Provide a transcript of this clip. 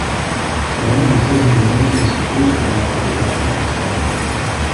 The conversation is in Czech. Kromě výše zmíněných vystupují v dramatu i další postavy.